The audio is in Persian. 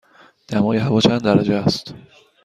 دمای هوا چند درجه است؟